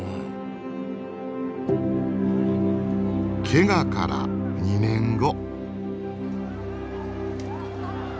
けがから２年後。